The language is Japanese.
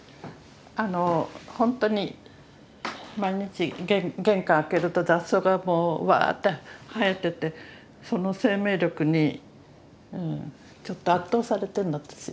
ほんとに毎日玄関開けると雑草がもうワーッて生えててその生命力にちょっと圧倒されてるの私。